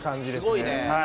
すごいね。